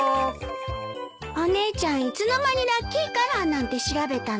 お姉ちゃんいつの間にラッキーカラーなんて調べたの？